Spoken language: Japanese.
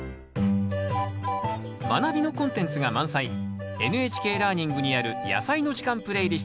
「まなび」のコンテンツが満載「ＮＨＫラーニング」にある「やさいの時間」プレイリスト。